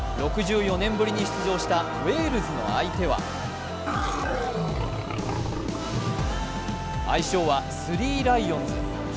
６４年ぶりに出場したウェールズの相手は愛称はスリーライオンズ。